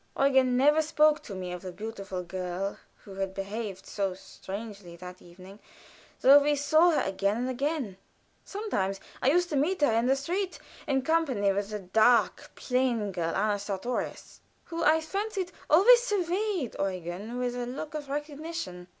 Eugen never spoke to me of the beautiful girl who had behaved so strangely that evening, though we saw her again and again. Sometimes I used to meet her in the street, in company with the dark, plain girl, Anna Sartorius, who, I fancied, always surveyed Eugen with a look of recognition.